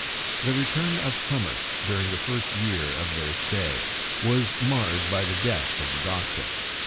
The return of summer, during the first year of their stay, was marred by the death of the doctor.